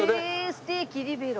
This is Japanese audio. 「ステーキリベロ」。